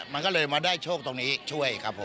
มันก็เลยมาได้โชคตรงนี้ช่วยครับผม